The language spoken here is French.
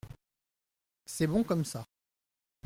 C’est bon comme ça.